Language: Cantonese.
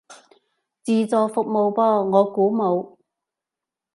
自助服務噃，我估冇